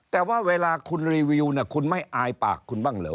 แต่ว่าเวลาคุณรีวิวคุณไม่อายปากคุณบ้างเหรอ